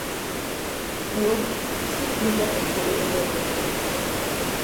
Уэху… Сыт мыгъуэр къыбгурыӏуэрэ уэ?!